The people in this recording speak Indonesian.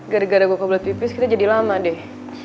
gara gara gue ke bullet pipis kita jadi lama deh